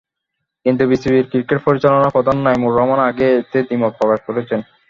কিন্তু বিসিবির ক্রিকেট পরিচালনা প্রধান নাঈমুর রহমান আগেই এতে দ্বিমত প্রকাশ করেছেন।